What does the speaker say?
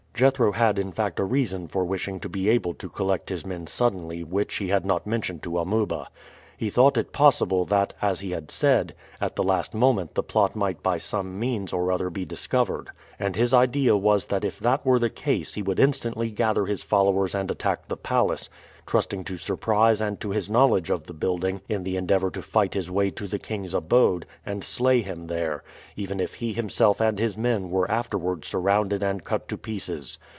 Jethro had in fact a reason for wishing to be able to collect his men suddenly which he had not mentioned to Amuba. He thought it possible that, as he had said, at the last moment the plot might by some means or other be discovered. And his idea was that if that were the case he would instantly gather his followers and attack the palace, trusting to surprise and to his knowledge of the building in the endeavor to fight his way to the king's abode and slay him there, even if he himself and his men were afterward surrounded and cut to pieces.